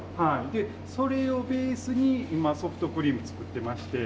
でそれをベースに今ソフトクリーム作ってまして。